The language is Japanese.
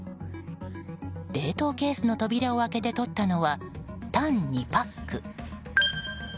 冷凍ケースの扉を開けて取ったのは、タン２パック。